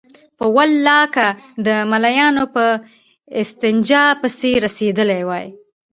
په والله که د ملايانو په استنجا پسې رسېدلي وای.